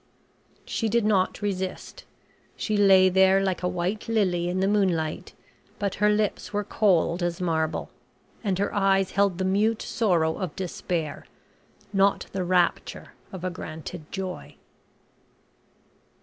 She did not resist. She lay there like a white lily in the moonlight, but her lips were cold as marble and her eyes held the mute sorrow of despair, not the rapture of a granted joy.